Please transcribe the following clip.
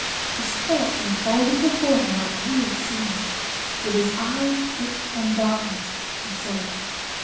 His thoughts unfolded before him like real scenes. With his eyes fixed on darkness, he saw.